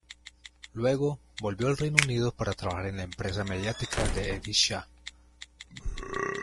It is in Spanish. Luego, volvió al Reino Unido para trabajar en la impresa mediática de Eddie Shah.